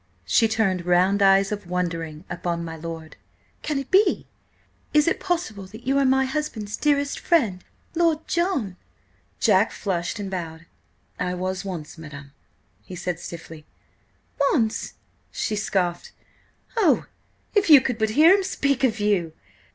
She turned round eyes of wonderment upon my lord. "Can it be–is it possible that you are my husband's dearest friend–Lord John?" Jack flushed and bowed. "I was once–madam," he said stiffly. "Once!" she scoffed. "Oh, if you could but hear him speak of you!